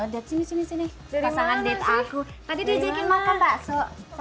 tadi dia jekin makan pak so